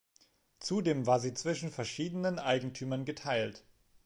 Zudem war sie zwischen verschiedenen Eigentümern geteilt.